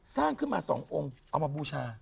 สร้างขึ้นมา๒องค์เอามาบูชา